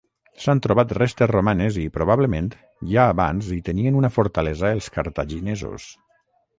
S'han trobat restes romanes i, probablement, ja abans hi tenien una fortalesa els cartaginesos.